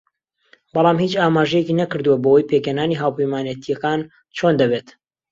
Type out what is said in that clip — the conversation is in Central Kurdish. بەڵام هیچ ئاماژەیەکی نەکردووە بەوەی پێکهێنانی هاوپەیمانێتییەکان چۆن دەبێت